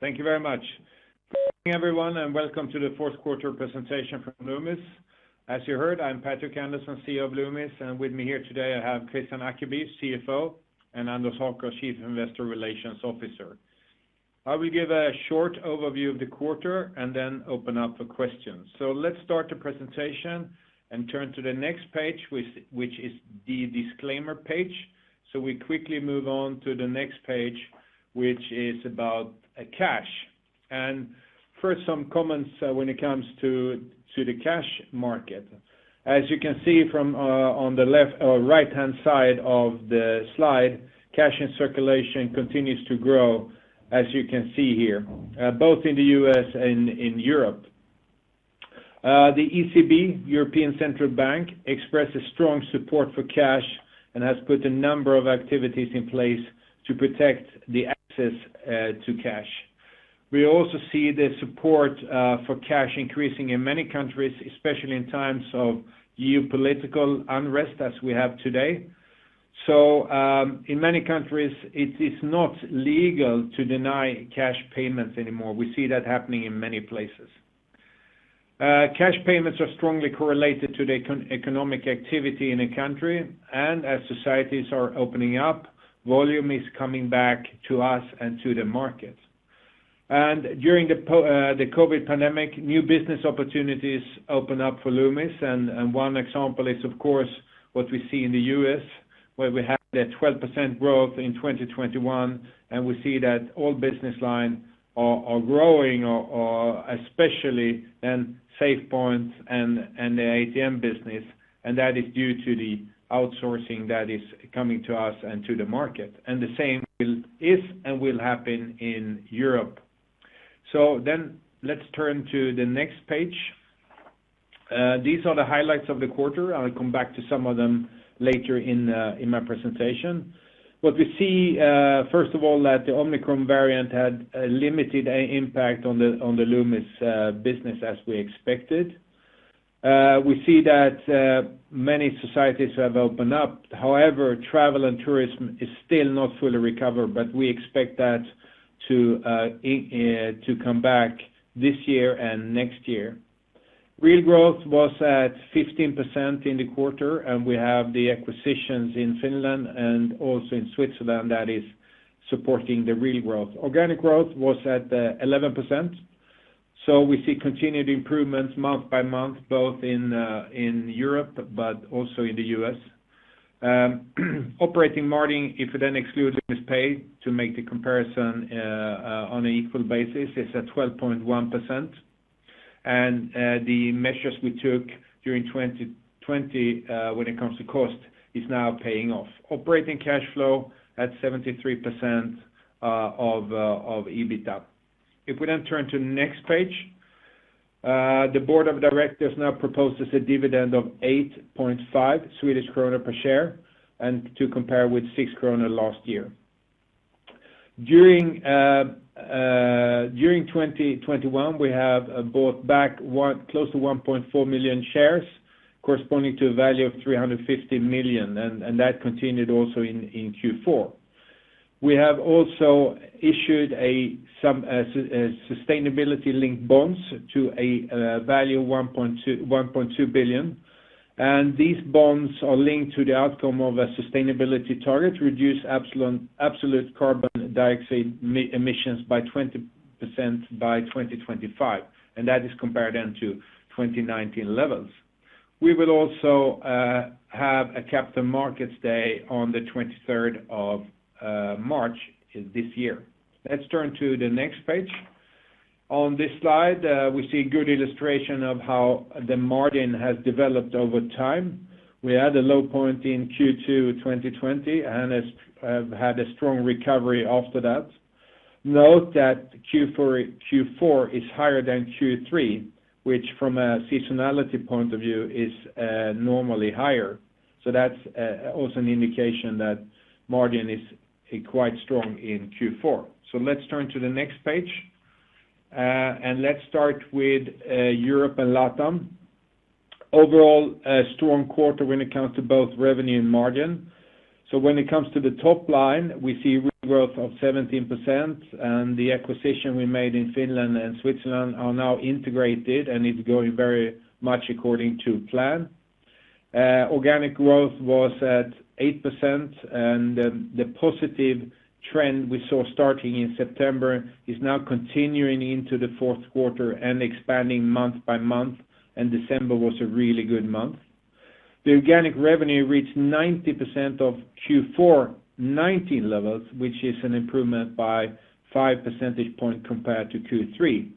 Thank you very much. Good morning everyone, and welcome to the fourth quarter presentation from Loomis. As you heard, I'm Patrik Andersson, CEO of Loomis, and with me here today, I have Kristian Ackeby, CFO, and Anders Håkansson, Chief Investor Relations Officer. I will give a short overview of the quarter and then open up for questions. Let's start the presentation and turn to the next page, which is the disclaimer page. We quickly move on to the next page, which is about cash. First, some comments when it comes to the cash market. As you can see from on the left or right-hand side of the slide, cash in circulation continues to grow, as you can see here, both in the U.S. and in Europe. The ECB, European Central Bank, expresses strong support for cash and has put a number of activities in place to protect the access to cash. We also see the support for cash increasing in many countries, especially in times of geopolitical unrest as we have today. In many countries, it is not legal to deny cash payments anymore. We see that happening in many places. Cash payments are strongly correlated to the economic activity in a country. As societies are opening up, volume is coming back to us and to the market. During the COVID pandemic, new business opportunities opened up for Loomis. One example is of course what we see in the U.S., where we have the 12% growth in 2021, and we see that all business lines are growing, especially in SafePoint and the ATM business, and that is due to the outsourcing that is coming to us and to the market. The same is and will happen in Europe. Let's turn to the next page. These are the highlights of the quarter. I'll come back to some of them later in my presentation. What we see first of all that the Omicron variant had a limited impact on the Loomis business as we expected. We see that many societies have opened up. However, travel and tourism is still not fully recovered, but we expect that to come back this year and next year. Real growth was at 15% in the quarter, and we have the acquisitions in Finland and also in Switzerland that is supporting the real growth. Organic growth was at 11%. We see continued improvements month by month, both in Europe but also in the U.S. Operating margin, if we then exclude Loomis Pay to make the comparison on an equal basis, is at 12.1%. The measures we took during 2020, when it comes to cost, is now paying off. Operating cash flow at 73% of EBITDA. If we turn to next page, the board of directors now proposes a dividend of 8.5 Swedish krona per share, and to compare with 6 krona last year. During 2021, we have bought back close to 1.4 million shares corresponding to a value of 350 million, and that continued also in Q4. We have also issued some sustainability-linked bonds to a value of 1.2 billion. These bonds are linked to the outcome of a sustainability target to reduce absolute carbon dioxide emissions by 20% by 2025, and that is compared to 2019 levels. We will also have a Capital Markets Day on the 23rd of March this year. Let's turn to the next page. On this slide, we see a good illustration of how the margin has developed over time. We had a low point in Q2 2020 and has had a strong recovery after that. Note that Q4 is higher than Q3, which from a seasonality point of view is normally higher. That's also an indication that margin is quite strong in Q4. Let's turn to the next page. Let's start with Europe and LATAM. Overall, a strong quarter when it comes to both revenue and margin. When it comes to the top line, we see real growth of 17%, and the acquisition we made in Finland and Switzerland are now integrated, and it's going very much according to plan. Organic growth was at 8%, and the positive trend we saw starting in September is now continuing into the fourth quarter and expanding month by month, and December was a really good month. The organic revenue reached 90% of Q4 2019 levels, which is an improvement by five percentage point compared to Q3.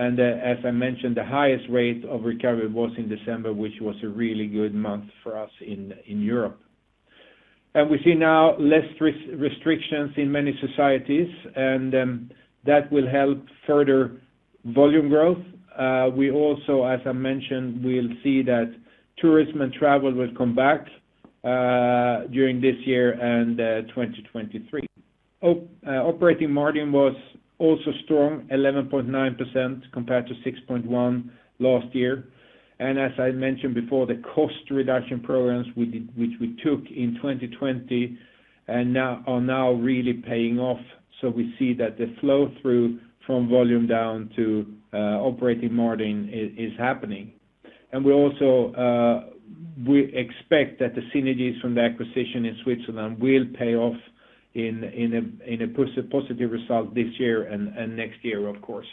As I mentioned, the highest rate of recovery was in December, which was a really good month for us in Europe. We see now less restrictions in many societies, and that will help further volume growth. We also, as I mentioned, will see that tourism and travel will come back during this year and 2023. Operating margin was also strong, 11.9% compared to 6.1 last year. As I mentioned before, the cost reduction programs we did—which we took in 2020 and now—are now really paying off. We see that the flow-through from volume down to operating margin is happening. We also expect that the synergies from the acquisition in Switzerland will pay off in a positive result this year and next year, of course.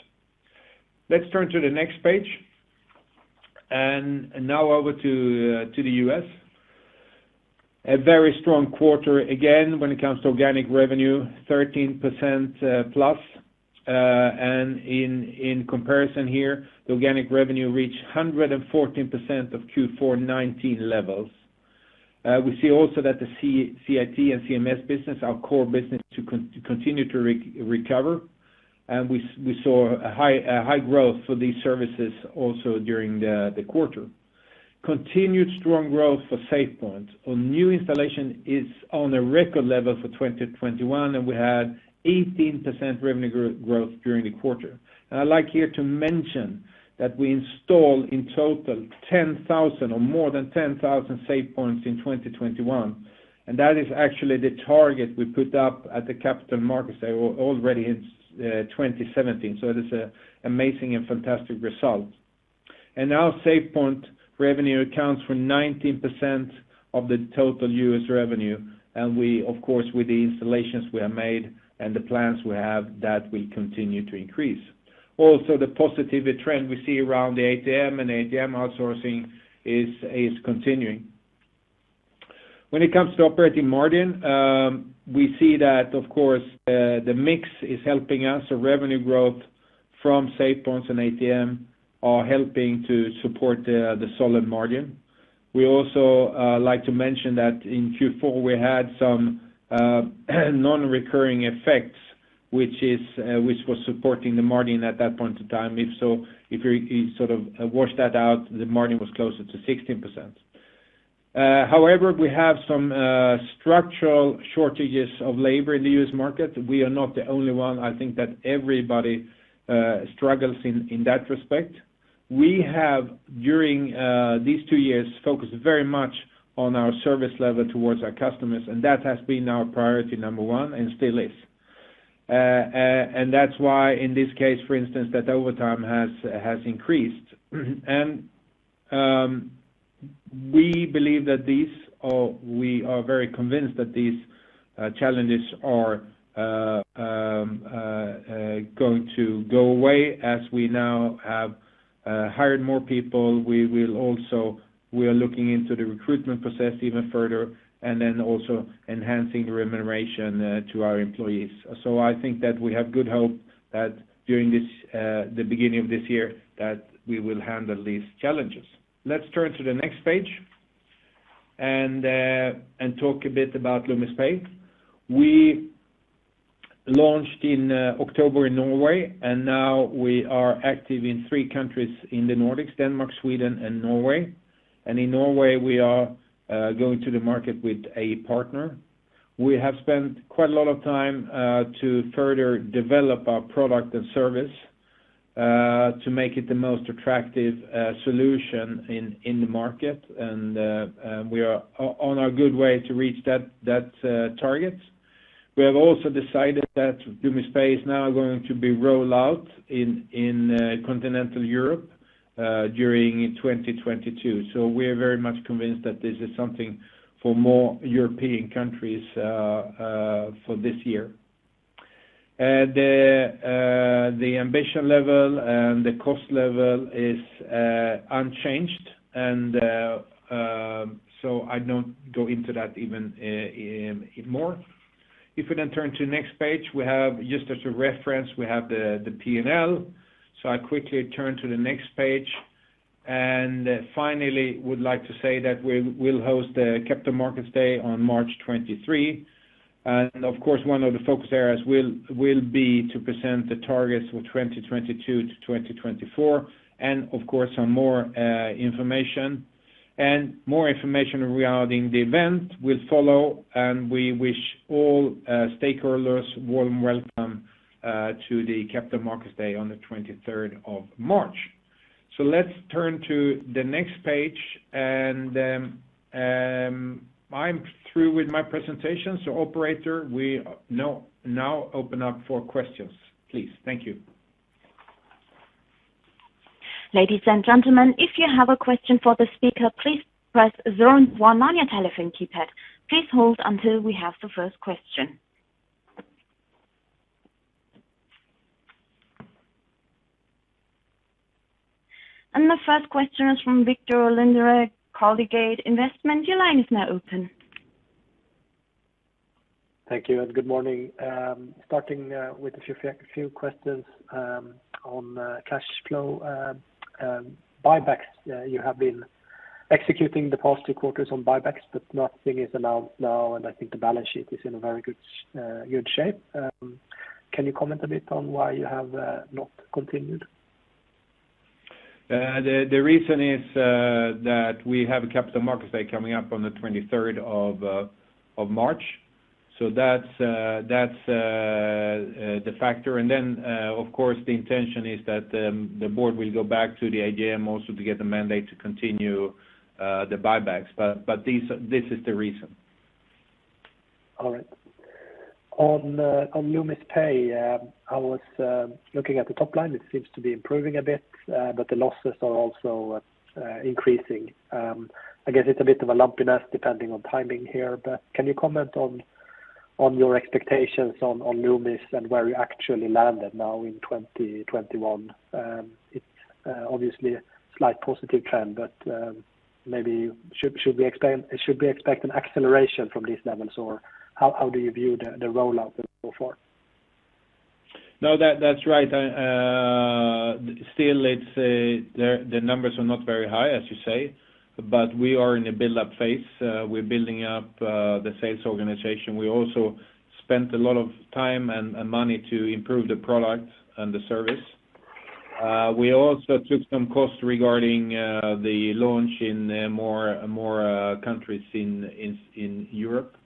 Let's turn to the next page. Now over to the U.S. A very strong quarter again when it comes to organic revenue, 13% plus. In comparison here, the organic revenue reached 114% of Q4 2019 levels. We see also that the CIT and CMS business, our core business, continues to recover. We saw a high growth for these services also during the quarter. Continued strong growth for SafePoint. Our new installation is on a record level for 2021, and we had 18% revenue growth during the quarter. I like here to mention that we installed in total 10,000 or more than 10,000 SafePoints in 2021, and that is actually the target we put up at the Capital Markets Day already in 2017. It is an amazing and fantastic result. Now SafePoint revenue accounts for 19% of the total U.S. revenue. We, of course, with the installations we have made and the plans we have, that will continue to increase. Also, the positive trend we see around the ATM and ATM outsourcing is continuing. When it comes to operating margin, we see that, of course, the mix is helping us. The revenue growth from SafePoints and ATM are helping to support the solid margin. We also like to mention that in Q4, we had some non-recurring effects, which was supporting the margin at that point in time. If you sort of wash that out, the margin was closer to 16%. However, we have some structural shortages of labor in the U.S. market. We are not the only one. I think that everybody struggles in that respect. We have, during these two years, focused very much on our service level towards our customers, and that has been our priority number one and still is. That's why in this case, for instance, that overtime has increased. We believe that these challenges are going to go away as we now have hired more people. We are looking into the recruitment process even further and then also enhancing the remuneration to our employees. I think that we have good hope that during the beginning of this year, that we will handle these challenges. Let's turn to the next page and talk a bit about Loomis Pay. We launched in October in Norway, and now we are active in three countries in the Nordics: Denmark, Sweden, and Norway. In Norway, we are going to the market with a partner. We have spent quite a lot of time to further develop our product and service to make it the most attractive solution in the market. We are on a good way to reach that target. We have also decided that Loomis Pay is now going to be rolled out in continental Europe during 2022. We are very much convinced that this is something for more European countries for this year. The ambition level and the cost level is unchanged, and I don't go into that even more. If we turn to the next page, we have just as a reference, we have the P&L. I quickly turn to the next page. Finally, I would like to say that we'll host the Capital Markets Day on March 23. Of course, one of the focus areas will be to present the targets for 2022-2024, and of course, some more information. More information regarding the event will follow, and we wish all stakeholders warm welcome to the Capital Markets Day on the 23rd of March. Let's turn to the next page, and I'm through with my presentation. Operator, we now open up for questions, please. Thank you. Ladies and gentlemen, if you have a question for the speaker, please press zero one on your telephone keypad. Please hold until we have the first question. The first question is from Viktor Lindeberg at Carnegie. Your line is now open. Thank you, and good morning. Starting with a few questions on cash flow, buybacks. You have been executing the past two quarters on buybacks, but nothing is announced now, and I think the balance sheet is in a very good shape. Can you comment a bit on why you have not continued? The reason is that we have a Capital Markets Day coming up on the 23rd of March. That's the factor. Then, of course, the intention is that the board will go back to the AGM also to get the mandate to continue the buybacks. This is the reason. All right. On Loomis Pay, I was looking at the top line. It seems to be improving a bit, but the losses are also increasing. I guess it's a bit of a lumpiness depending on timing here, but can you comment on your expectations on Loomis and where you actually landed now in 2021? It's obviously a slight positive trend, but maybe should we expect an acceleration from these levels? Or how do you view the rollout so far? No, that's right. It's still the numbers are not very high, as you say, but we are in a build-up phase. We're building up the sales organization. We also spent a lot of time and money to improve the product and the service. We also took some costs regarding the launch in more countries in Europe.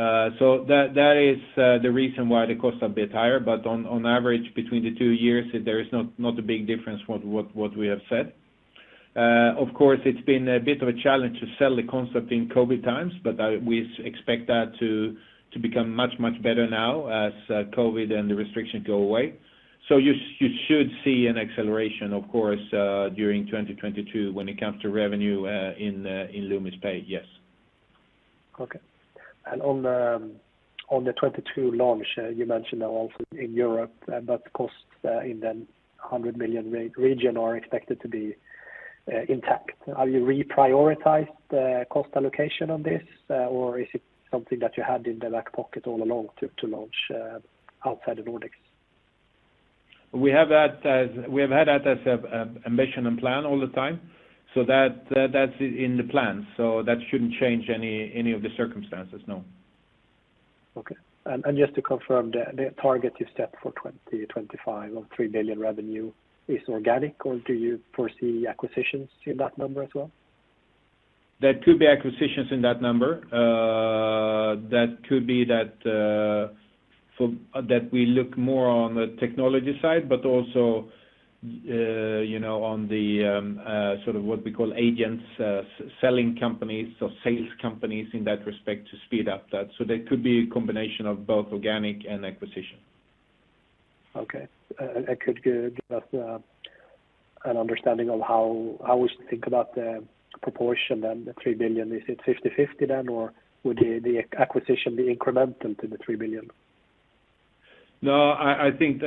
That is the reason why the costs are a bit higher. On average between the two years, there is not a big difference what we have said. Of course it's been a bit of a challenge to sell the concept in COVID times, but we expect that to become much better now as COVID and the restrictions go away. You should see an acceleration of course, during 2022 when it comes to revenue, in Loomis Pay, yes. Okay. On the 2022 launch, you mentioned now also in Europe, but costs in the 100 million region are expected to be intact. Have you reprioritized the cost allocation on this? Or is it something that you had in the back pocket all along to launch outside of Nordics? We have had that as an ambition and plan all the time, so that's in the plan, so that shouldn't change any of the circumstances, no. Just to confirm the target you set for 2025 of 3 billion revenue is organic or do you foresee acquisitions in that number as well? There could be acquisitions in that number. That we look more on the technology side, but also, you know, on the sort of what we call agents, selling companies or sales companies in that respect to speed up that. There could be a combination of both organic and acquisition. Okay. Could you give us an understanding of how I was to think about the proportion then, the 3 billion? Is it 50-50 then, or would the acquisition be incremental to the SEK 3 billion? No, I think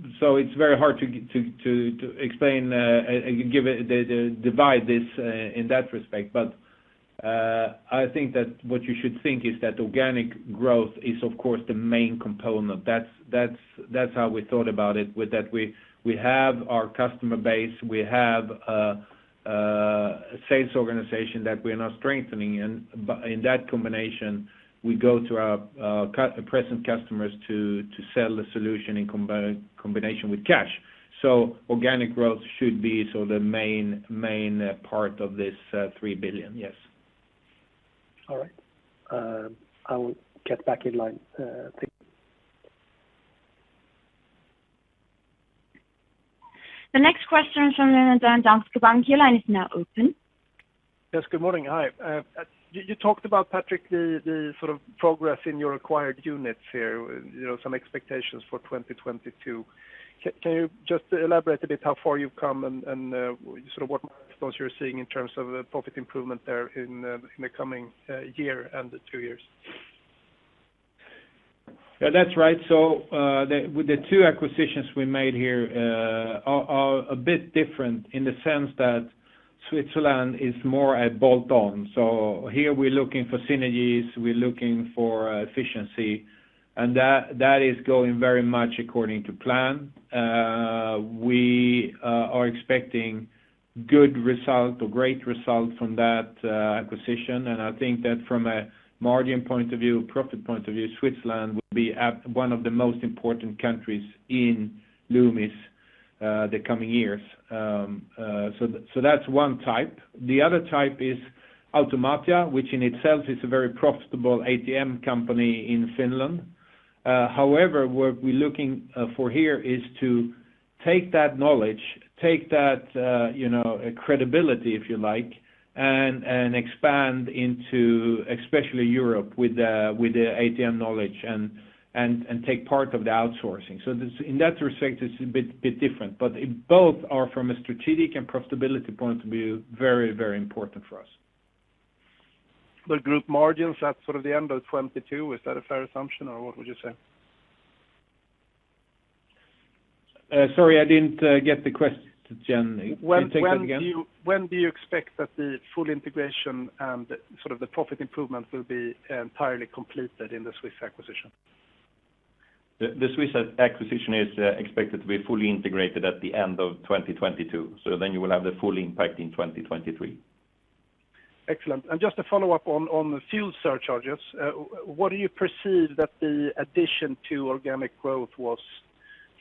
it's very hard to explain and give it the division in that respect. I think that what you should think is that organic growth is of course the main component. That's how we thought about it, with that we have our customer base, we have a sales organization that we are now strengthening, and in that combination, we go to our current customers to sell the solution in combination with cash. Organic growth should be sort of the main part of this 3 billion, yes. All right. I will get back in line. Thank you. The next question is from Yes. Good morning. Hi. You talked about, Patrik, the sort of progress in your acquired units here, you know, some expectations for 2022. Can you just elaborate a bit how far you've come and sort of what milestones you're seeing in terms of profit improvement there in the coming year and two years? Yeah, that's right. With the two acquisitions we made here are a bit different in the sense that Switzerland is more a bolt on. Here we're looking for synergies, we're looking for efficiency, and that is going very much according to plan. We are expecting good result or great result from that acquisition. I think that from a margin point of view, profit point of view, Switzerland will be one of the most important countries in Loomis, the coming years. That's one type. The other type is Automatia, which in itself is a very profitable ATM company in Finland. However, what we're looking for here is to take that knowledge, you know, credibility, if you like, and expand into especially Europe with the ATM knowledge and take part of the outsourcing. So this, in that respect, it's a bit different, but both are from a strategic and profitability point of view, very important for us. The group margins at sort of the end of 2022. Is that a fair assumption or what would you say? Sorry, I didn't get the question. Can you take that again? When do you expect that the full integration and sort of the profit improvement will be entirely completed in the Swiss acquisition? The Swiss acquisition is expected to be fully integrated at the end of 2022. You will have the full impact in 2023. Excellent. Just to follow up on the fuel surcharges, what do you perceive that the addition to organic growth was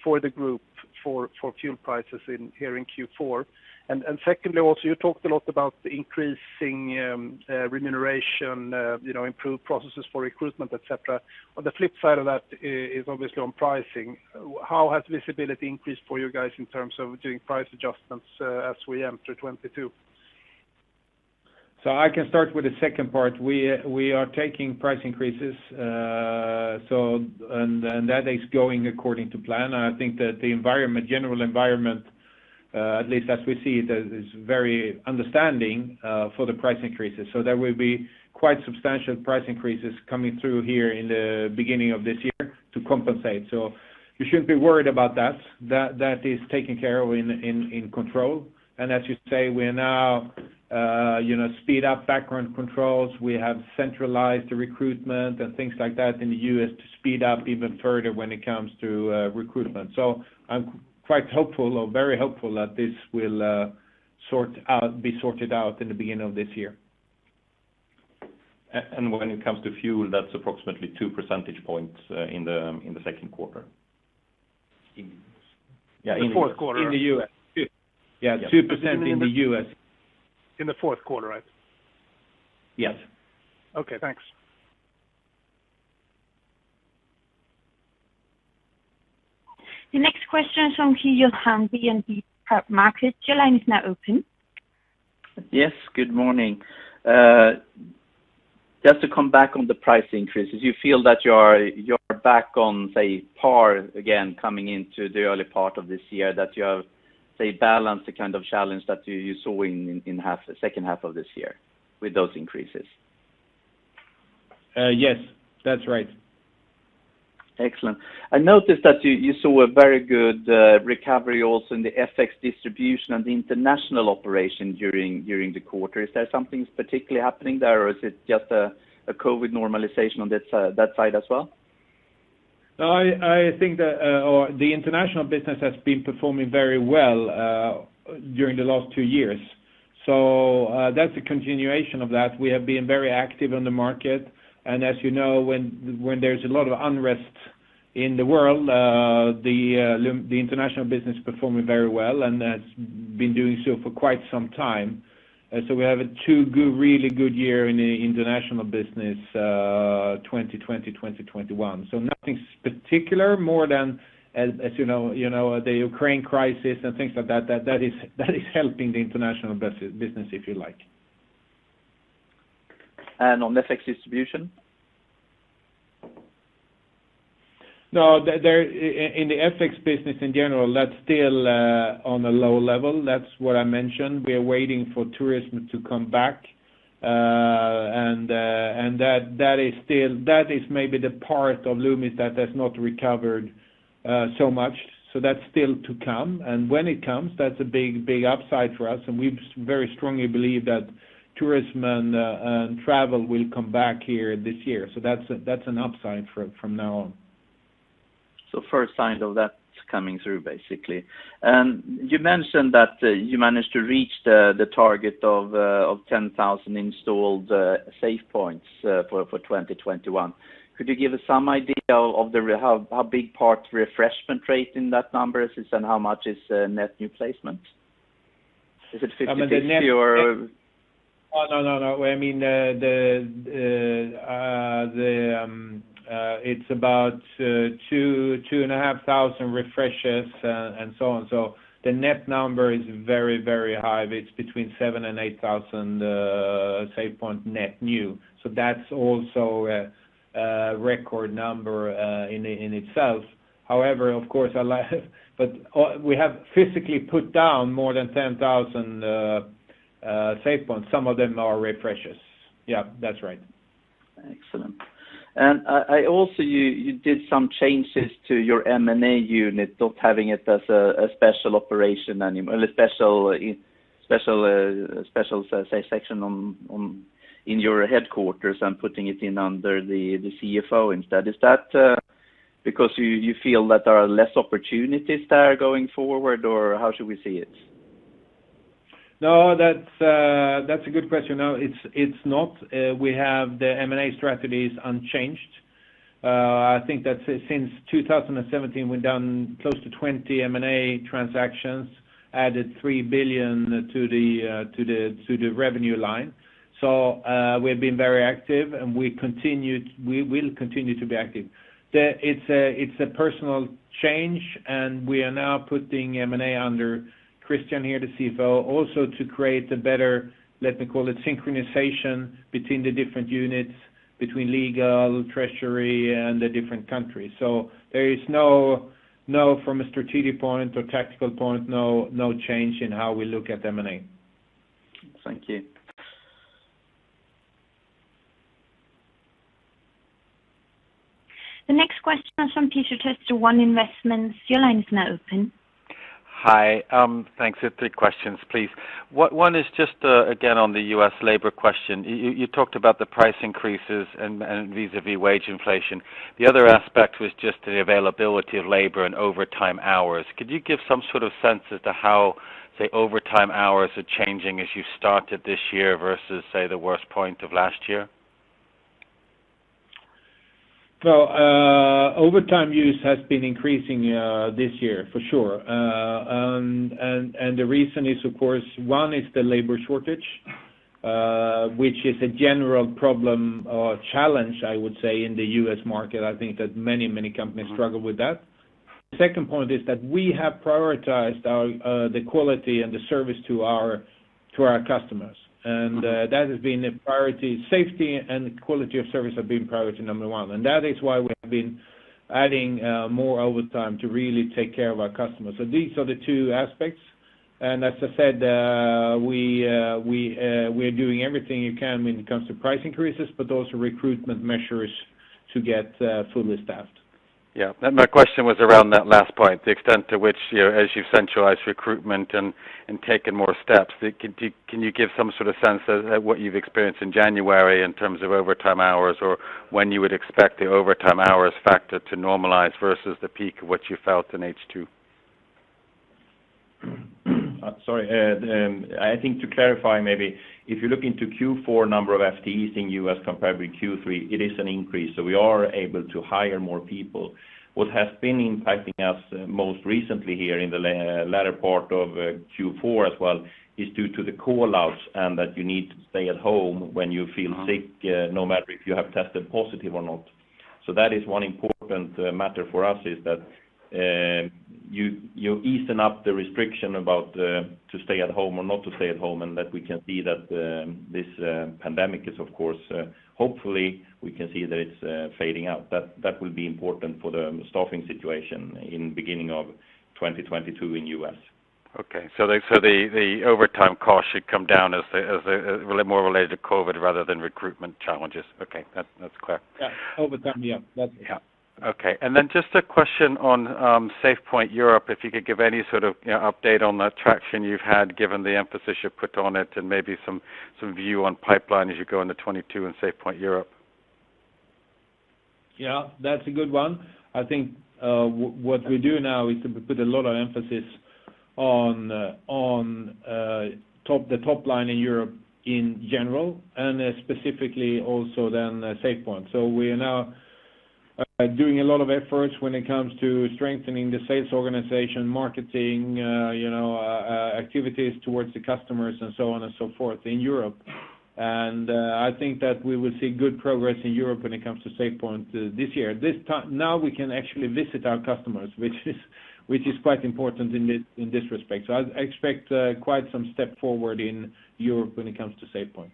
for the group for fuel prices here in Q4? Secondly, also, you talked a lot about the increasing remuneration, you know, improved processes for recruitment, etc. On the flip side of that is obviously on pricing. How has visibility increased for you guys in terms of doing price adjustments as we enter 2022? I can start with the second part. We are taking price increases, and that is going according to plan. I think that the environment, general environment, at least as we see it, is very understanding for the price increases. There will be quite substantial price increases coming through here in the beginning of this year to compensate. You shouldn't be worried about that. That is taken care of in control. As you say, we are now, you know, speed up background controls. We have centralized the recruitment and things like that in the U.S. to speed up even further when it comes to recruitment. I'm quite hopeful or very hopeful that this will be sorted out in the beginning of this year. When it comes to fuel, that's approximately two percentage points in the second quarter. In? Yeah, in the. The fourth quarter. In the U.S. Yeah. 2% in the U.S. In the fourth quarter, right? Yes. Okay, thanks. The next question is from Karl-Johan Bonnevier. Your line is now open. Yes, good morning. Just to come back on the price increases, you feel that you're back on, say, par again coming into the early part of this year, that you have, say, balanced the kind of challenge that you saw in the second half of this year with those increases? Yes, that's right. Excellent. I noticed that you saw a very good recovery also in the FX distribution and the international operation during the quarter. Is there something particularly happening there, or is it just a COVID normalization on that side as well? No, I think that the international business has been performing very well during the last two years. That's a continuation of that. We have been very active on the market. As you know, when there's a lot of unrest in the world, the international business performing very well, and that's been doing so for quite some time. We have two really good years in the international business, 2020, 2021. Nothing particular more than as you know, you know, the Ukraine crisis and things like that is helping the international business, if you like. On FX distribution? No, in the FX business in general, that's still on a low level. That's what I mentioned. We are waiting for tourism to come back. That is maybe the part of Loomis that has not recovered so much. That's still to come. When it comes, that's a big upside for us. We very strongly believe that tourism and travel will come back here this year. That's an upside from now on. First sign of that's coming through, basically. You mentioned that you managed to reach the target of 10,000 installed SafePoints for 2021. Could you give us some idea of how big part replacement rate in that number is, and how much is net new placement? Is it 50/50 or? Oh, no, no. I mean, it's about 2,500 refreshes and so on. The net number is very high. It's between 7,000 and 8,000 SafePoint net new. That's also a record number in itself. However, of course, we have physically put down more than 10,000 SafePoints. Some of them are refreshes. Yeah, that's right. Excellent. I also, you did some changes to your M&A unit, not having it as a special operation anymore, a special section in your headquarters and putting it under the CFO instead. Is that because you feel that there are less opportunities there going forward, or how should we see it? No, that's a good question. No, it's not. We have the M&A strategy is unchanged. I think that since 2017, we've done close to 20 M&A transactions, added 3 billion to the revenue line. We've been very active, and we will continue to be active. It's a personal change, and we are now putting M&A under Kristian Ackeby here, the CFO, also to create a better, let me call it synchronization between the different units, between legal, treasury, and the different countries. There is no from a strategic point or tactical point, no change in how we look at M&A. Thank you. The next question is from Peter Testa, One Investments. Your line is now open. Hi. Thanks. Three questions, please. One is just, again, on the U.S. labor question. You talked about the price increases and vis-a-vis wage inflation. The other aspect was just the availability of labor and overtime hours. Could you give some sort of sense as to how, say, overtime hours are changing as you started this year versus, say, the worst point of last year? Well, overtime use has been increasing this year for sure. The reason is of course one is the labor shortage, which is a general problem or challenge, I would say, in the U.S. market. I think that many companies struggle with that. The second point is that we have prioritized our the quality and the service to our customers. That has been a priority. Safety and quality of service have been priority number one, and that is why we have been adding more overtime to really take care of our customers. These are the two aspects. As I said, we are doing everything we can when it comes to price increases, but also recruitment measures to get fully staffed. Yeah. My question was around that last point, the extent to which, you know, as you've centralized recruitment and taken more steps, can you give some sort of sense as to what you've experienced in January in terms of overtime hours or when you would expect the overtime hours factor to normalize versus the peak of what you felt in H2? Sorry, I think to clarify maybe, if you look into Q4 number of FTEs in U.S. compared with Q3, it is an increase, so we are able to hire more people. What has been impacting us most recently here in the latter part of Q4 as well is due to the call-outs and that you need to stay at home when you feel sick, no matter if you have tested positive or not. That is one important matter for us is that you loosen up the restriction about to stay at home or not to stay at home, and that we can see that this pandemic is of course hopefully we can see that it's fading out. That will be important for the staffing situation in beginning of 2022 in U.S. Okay. The overtime cost should come down as it's more related to COVID rather than recruitment challenges. Okay. That's clear. Yeah. Over time, yeah. Yeah. Okay. Just a question on SafePoint Europe. If you could give any sort of, you know, update on the traction you've had given the emphasis you put on it and maybe some view on pipeline as you go into 2022 in SafePoint Europe? Yeah, that's a good one. I think what we do now is to put a lot of emphasis on top line in Europe in general, and specifically also then SafePoint. We are now doing a lot of efforts when it comes to strengthening the sales organization, marketing, you know, activities towards the customers and so on and so forth in Europe. I think that we will see good progress in Europe when it comes to SafePoint this year. Now we can actually visit our customers, which is quite important in this respect. I expect quite some step forward in Europe when it comes to SafePoint.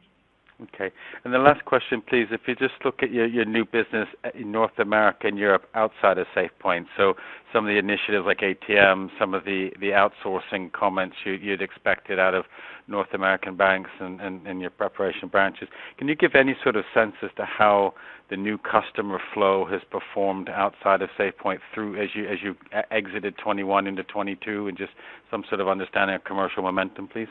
Okay. The last question, please, if you just look at your new business in North America and Europe outside of SafePoint, so some of the initiatives like ATM, some of the outsourcing comments you'd expected out of North American banks and your preparation branches. Can you give any sort of sense as to how the new customer flow has performed outside of SafePoint through as you exited 2021 into 2022, and just some sort of understanding of commercial momentum, please?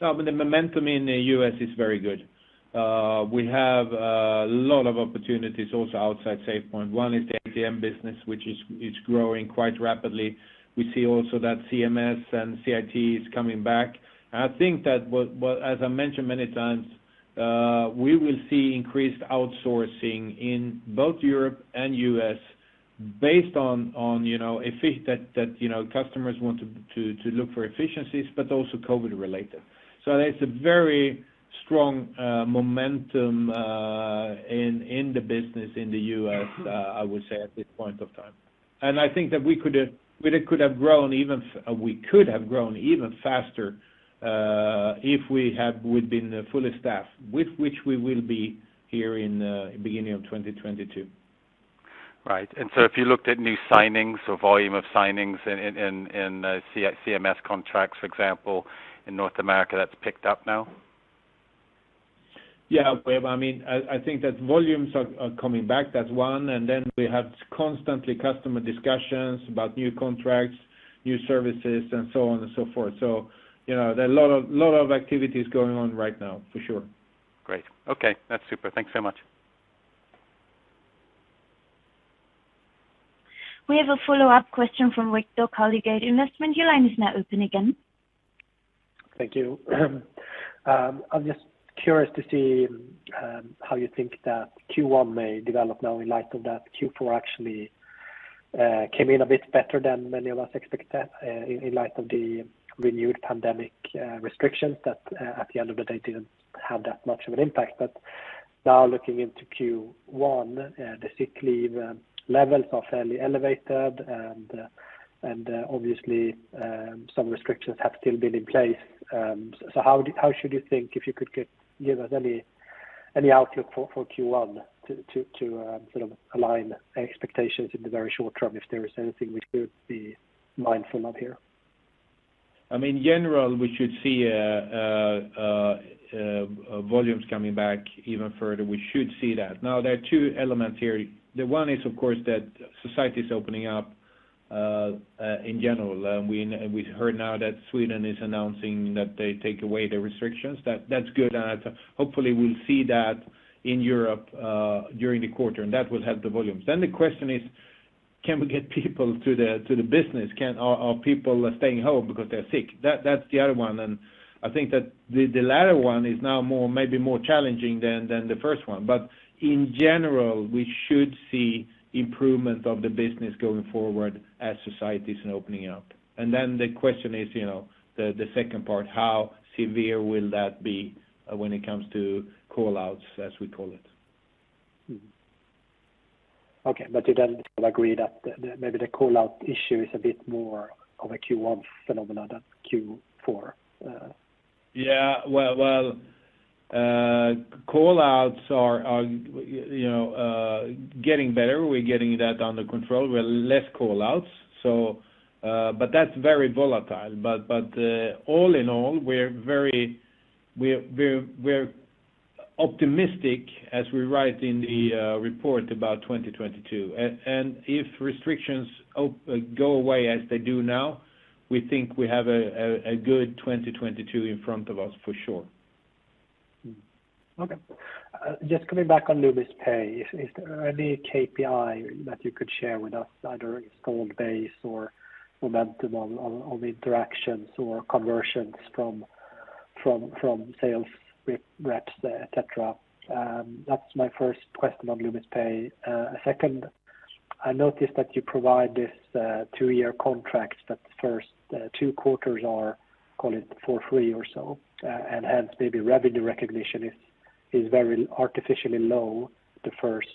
No, I mean, the momentum in the U.S. is very good. We have a lot of opportunities also outside SafePoint. One is the ATM business, which is growing quite rapidly. We see also that CMS and CIT is coming back. I think that as I mentioned many times, we will see increased outsourcing in both Europe and U.S. based on, you know, that, you know, customers want to look for efficiencies, but also COVID related. There's a very strong momentum in the business in the U.S., I would say at this point of time. I think that we could have grown even faster if we'd been fully staffed, which we will be here in beginning of 2022. Right. If you looked at new signings or volume of signings in CIT-CMS contracts, for example, in North America, that's picked up now? Yeah. I mean, I think that volumes are coming back. That's one. We constantly have customer discussions about new contracts, new services and so on and so forth. You know, there are a lot of activities going on right now for sure. Great. Okay. That's super. Thanks so much. We have a follow-up question from Viktor Lindeberg. Your line is now open again. Thank you. I'm just curious to see how you think that Q1 may develop now in light of that Q4 actually came in a bit better than many of us expected in light of the renewed pandemic restrictions that at the end of the day didn't have that much of an impact. Now looking into Q1, the sick leave levels are fairly elevated and obviously some restrictions have still been in place. How should you think, if you could give us any outlook for Q1 to sort of align expectations in the very short term if there is anything we should be mindful of here? I mean, in general, we should see volumes coming back even further. We should see that. Now, there are two elements here. The one is, of course, that society is opening up in general. We heard now that Sweden is announcing that they take away the restrictions. That's good, and hopefully we'll see that in Europe during the quarter, and that will help the volumes. Then the question is, can we get people to the business? Are people staying home because they're sick? That's the other one. I think that the latter one is now more, maybe more challenging than the first one. In general, we should see improvement of the business going forward as societies are opening up. The question is, you know, the second part, how severe will that be when it comes to call-outs, as we call it? Okay. You then agree that maybe the call out issue is a bit more of a Q1 phenomenon than Q4? Yeah. Well, call-outs are, you know, getting better. We're getting that under control with less call-outs. That's very volatile. All in all, we're very optimistic as we write in the report about 2022. If restrictions go away as they do now, we think we have a good 2022 in front of us for sure. Okay. Just coming back on Loomis Pay. Is there any KPI that you could share with us, either installed base or momentum on interactions or conversions from sales reps, et cetera? That's my first question on Loomis Pay. Second, I noticed that you provide this two-year contract, but the first two quarters are, call it, for free or so, and hence maybe revenue recognition is very artificially low the first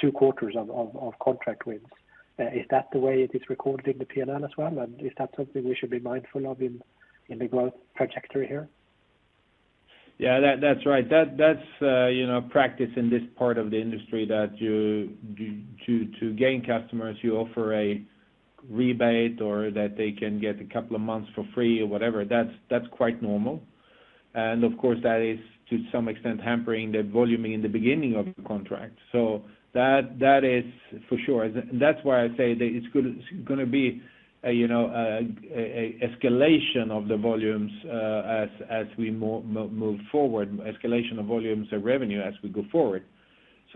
two quarters of contract wins. Is that the way it is recorded in the P&L as well? Is that something we should be mindful of in the growth trajectory here? Yeah, that's right. That's the practice in this part of the industry that you do to gain customers, you offer a rebate or that they can get a couple of months for free or whatever. That's quite normal. Of course, that is to some extent hampering the volume in the beginning of the contract. That is for sure. That's why I say that it's gonna be you know an escalation of the volumes as we move forward, escalation of volumes of revenue as we go forward.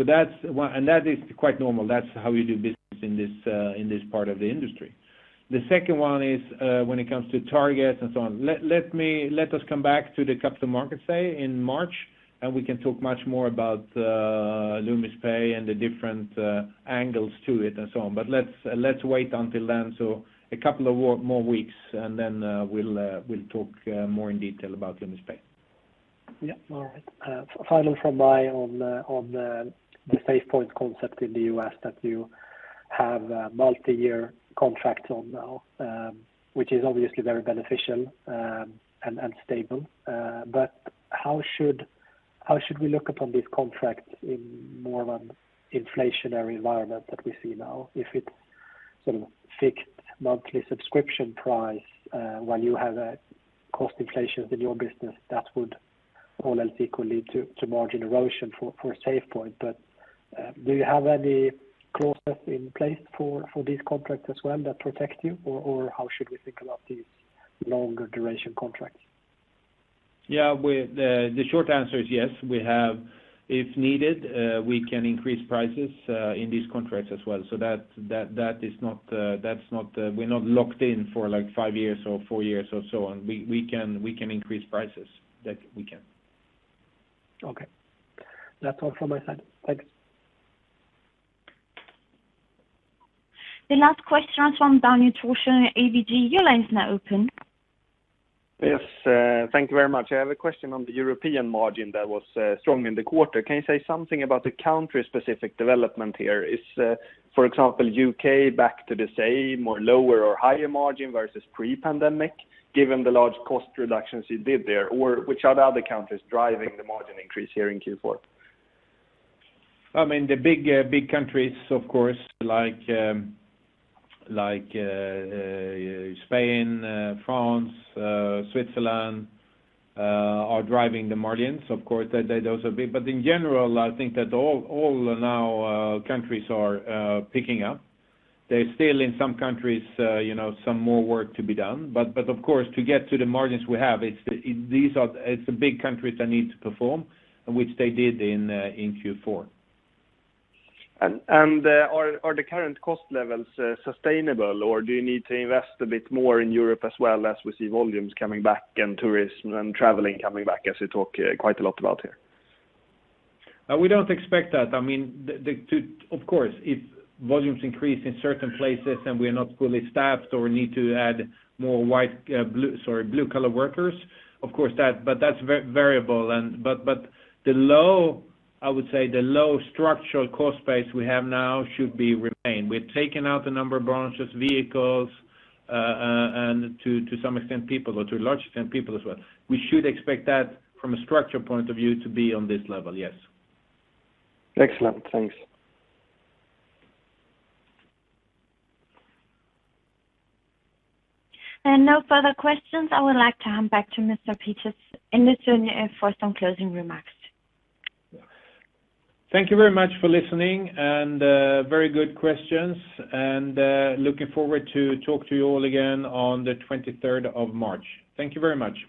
That's one. That is quite normal. That's how you do business in this part of the industry. The second one is when it comes to targets and so on. Let us come back to the Capital Markets Day in March, and we can talk much more about Loomis Pay and the different angles to it and so on. Let's wait until then. A couple of more weeks, and then we'll talk more in detail about Loomis Pay. Yeah. All right. Final question from me on the SafePoint concept in the U.S. that you have a multi-year contract on now, which is obviously very beneficial and stable. But how should we look upon this contract in more of an inflationary environment that we see now? If it's sort of fixed monthly subscription price, while you have a cost inflation in your business, that would all else equal lead to margin erosion for SafePoint. But do you have any clauses in place for these contracts as well that protect you? Or how should we think about these longer duration contracts? Yeah. With that, the short answer is yes. If needed, we can increase prices in these contracts as well. That is not, that's not, we're not locked in for like five years or four years or so on. We can increase prices. That we can. Okay. That's all from my side. Thanks. The last question is from Daniel Thorsson, ABG. Your line is now open. Yes. Thank you very much. I have a question on the European margin that was strong in the quarter. Can you say something about the country-specific development here? Is, for example, U.K. back to the same or lower or higher margin versus pre-pandemic, given the large cost reductions you did there? Or which are the other countries driving the margin increase here in Q4? I mean, the big countries, of course, like Spain, France, Switzerland, are driving the margins. Of course, they're also big. But in general, I think that all now countries are picking up. There's still in some countries, you know, some more work to be done. But of course, to get to the margins we have, it's the big countries that need to perform, which they did in Q4. Are the current cost levels sustainable? Or do you need to invest a bit more in Europe as well as we see volumes coming back and tourism and traveling coming back, as you talk quite a lot about here? We don't expect that. I mean, of course, if volumes increase in certain places and we are not fully staffed or need to add more blue-collar workers, of course, that is variable. I would say, the low structural cost base we have now should remain. We've taken out a number of branches, vehicles, and to some extent, people, or to a large extent, people as well. We should expect that from a structural point of view to be on this level, yes. Excellent. Thanks. No further questions. I would like to hand back to Mr. Patrik Andersson for some closing remarks. Thank you very much for listening and, very good questions. Looking forward to talk to you all again on the 23rd of March. Thank you very much.